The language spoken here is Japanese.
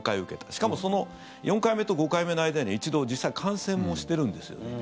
しかもその４回目と５回目の間には一度、実は感染もしてるんですよね。